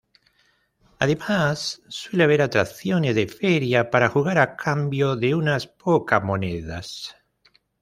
Además, suele haber atracciones de feria para jugar a cambio de unas pocas monedas.